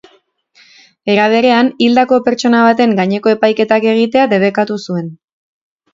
Era berean hildako pertsona baten gaineko epaiketak egitea debekatu zuen.